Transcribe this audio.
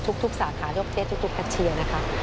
ทุกสาขายกเทศทุกแพทเชียร์นะคะ